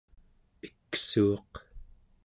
iksuuq